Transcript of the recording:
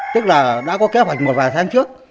tức là đã có kế hoạch một vài tháng trước